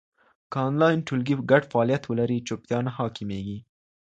که انلاین ټولګي ګډ فعالیت ولري، چوپتیا نه حاکمېږي.